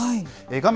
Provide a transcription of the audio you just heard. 画面